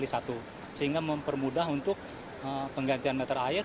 sehingga mempermudah untuk penggantian meter air